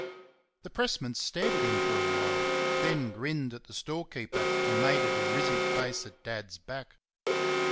The pressman stared at him for awhile; then grinned at the storekeeper, and made a derisive face at Dad's back.